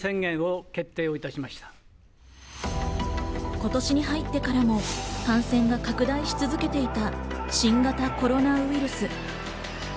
今年に入ってからも感染が拡大し続けていた新型コロナウイルス。